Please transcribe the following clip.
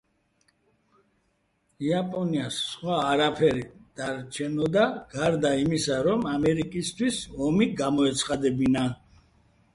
იაპონიას სხვა არაფერი დარჩენოდა გარდა იმისა, რომ ამერიკისთვის ომი გამოეცხადებინა.